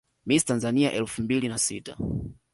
Miss Tanzania elfu mbili na sita